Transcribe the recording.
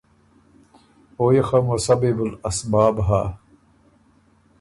”او يې خه مسببُ الاسباب هۀ“